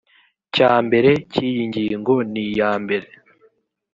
cya mbere cy iyi ngingo niyambere